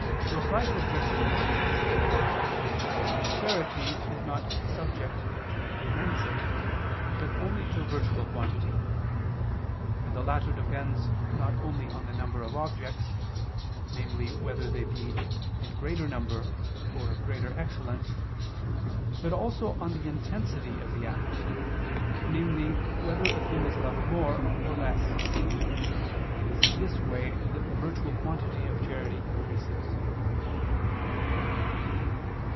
Reply Obj. 1: Charity is not subject to dimensive, but only to virtual quantity: and the latter depends not only on the number of objects, namely whether they be in greater number or of greater excellence, but also on the intensity of the act, namely whether a thing is loved more, or less; it is in this way that the virtual quantity of charity increases.